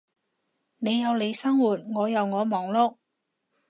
你有你生活，我有我忙碌